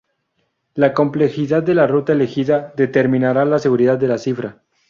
La complejidad de la ruta elegida determinará la seguridad de la cifra.